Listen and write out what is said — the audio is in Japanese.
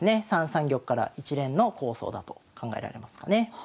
３三玉から一連の構想だと考えられますかね。